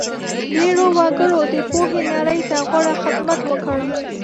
ډېرو وګړو د پوهې نړۍ ته غوره خدمت وکړ.